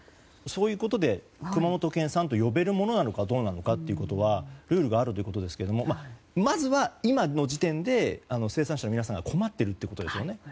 そういうことで熊本県産と呼べるものなのかどうかはルールがあるそうなんですがまずは今の時点で生産者の皆さんが困っているということですよね。